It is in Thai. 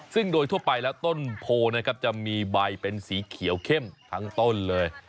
ซึ่งโดยทั่วไปแล้วต้นโพนะครับจะมีใบเป็นสีเขียวเข้มทั้งต้นเลย